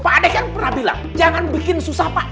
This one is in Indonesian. pak ada yang pernah bilang jangan bikin susah pak